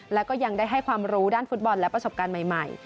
แล้วก็ยังได้ให้ความรู้ด้านฟุตบอลและประสบการณ์ใหม่